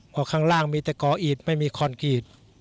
เพราะข้างล่างมีแต่ก่ออีดไม่มีคอนกรีต